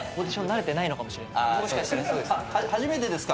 初めてですか？